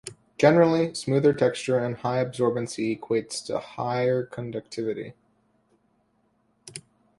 Generally, smoother texture and higher absorbency equates to higher conductivity.